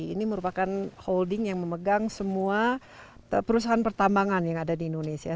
ini merupakan holding yang memegang semua perusahaan pertambangan yang ada di indonesia